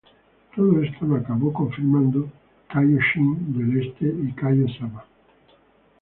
Todo esto lo acabó confirmando Kaiō Shin del Este y Kaiō Sama.